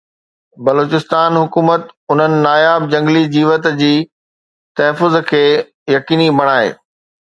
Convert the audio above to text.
بلوچستان حڪومت انهن ناياب جهنگلي جيوت جي تحفظ کي يقيني بڻائي